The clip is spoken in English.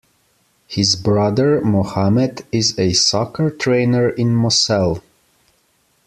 His brother, Mohamed, is a soccer trainer in Moselle.